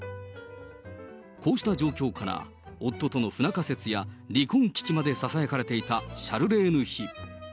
こうした状況から、夫との不仲説や離婚危機までささやかれていたシャルレーヌ妃。